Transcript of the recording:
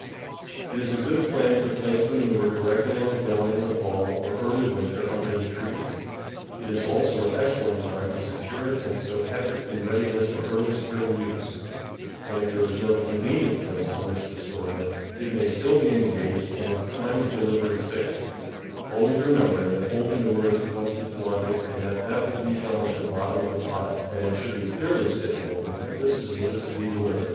It is a good plan to place the manure directly on the ground in the fall or early winter under the trees; it is also an excellent time to secure it and so have it in readiness for early spring use, and if there is no convenient place in which to store it, it may still be engaged and its time of delivery fixed, always remembering that old manure is what is wanted and that that will be found at the bot tom of the pile, and it should be clearly stipulated that this is what is to be delivered.